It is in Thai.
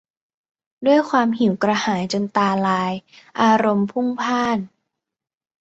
ด้วยความหิวกระหายจนตาลาย อารมณ์พลุ่งพล่าน